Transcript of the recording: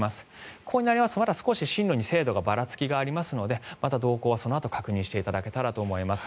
ここになりますと進路にばらつきがありますのでまた動向はそのあと確認していただけたらと思います。